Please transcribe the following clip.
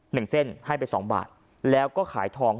หนึ่งเส้นให้ไปสองบาทแล้วก็ขายทอง